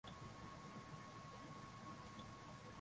Aidha Pato la Mkoa wa Kagera ni Shilingi milioni moja